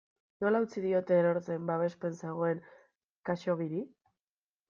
Nola utzi diote erortzen babespean zegoen Khaxoggiri?